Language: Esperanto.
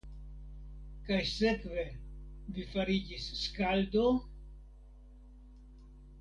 Kaj sekve vi fariĝis skaldo?